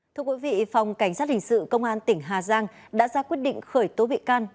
thưa quý vị phòng cảnh sát hình sự công an tỉnh hà giang đã ra quyết định khởi tố bị can